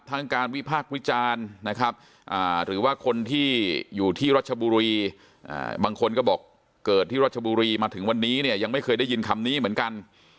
การวิพากษ์วิจารณ์นะครับหรือว่าคนที่อยู่ที่รัชบุรีบางคนก็บอกเกิดที่รัชบุรีมาถึงวันนี้เนี่ยยังไม่เคยได้ยินคำนี้เหมือนกัน